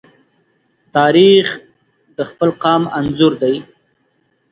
تاریخ د خپل قام انځور دی.